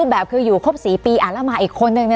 การแสดงความคิดเห็น